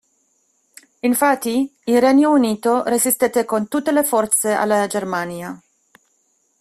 Infatti, il Regno Unito resistette con tutte le forze alla Germania.